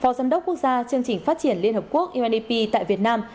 phó giám đốc quốc gia chương trình phát triển liên hợp quốc undp tại việt nam